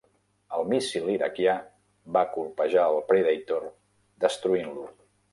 El míssil iraquià va colpejar el Predator, destruint-lo.